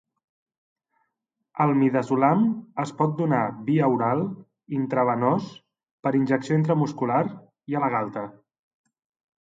El midazolam es pot donar via oral, intravenós, per injecció intramuscular i a la galta.